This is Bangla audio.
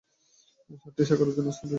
সাতটি শাখার অধীনস্থ বিভাগসমূহ হল